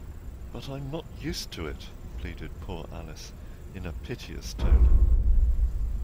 ‘But I’m not used to it!’ pleaded poor Alice in a piteous tone.